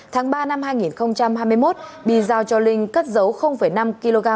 tháng ba năm hai nghìn hai mươi một bi giao cho linh cất dấu năm kg